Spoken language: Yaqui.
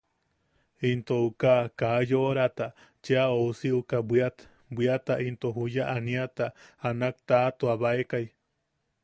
Into uka kaa yoʼoraata cheʼa ousi uka bwiat... bwiata into juya aniata a nak taʼatuabaekai.